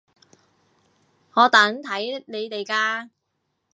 我等睇你哋㗎